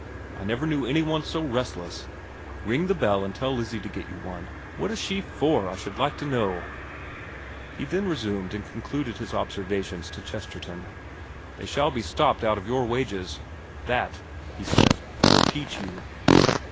I never knew any one so restless. Ring the bell and tell Lizzie to get you one. What is she for, I should like to know ?' He then resumed and concluded his observations to Chesterton. * They shall be stopped out of your wages. That,' he said, ' will teach you.'